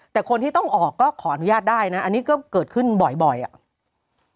แต่คนที่ต้องออกก็ขออนุญาตได้นะอันนี้ก็เกิดขึ้นบ่อยอ่ะ